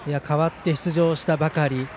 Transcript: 代わって出場したばかり。